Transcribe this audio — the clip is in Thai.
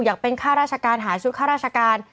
อยากเป็นค่าราชการหาชุดข้าราชการ